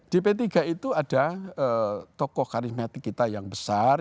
di p tiga itu ada tokoh karimetik kita yang besar